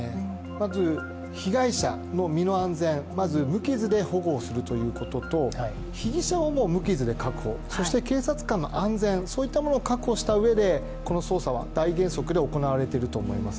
まず被害者の身の安全、まず無傷で保護をするということと被疑者をも無傷で確保、そして警察官の安全、そういったものを確保したうえでこの捜査は大原則で行われていると思います。